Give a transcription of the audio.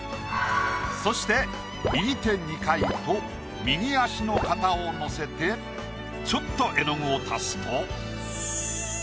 そして右手２回と右足の形をのせてちょっと絵の具を足すと。